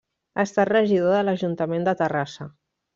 Ha estat regidor de l'ajuntament de Terrassa.